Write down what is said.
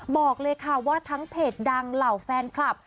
บอกเลยค่ะว่าทั้งเพจดังเหล่าแฟนคลับ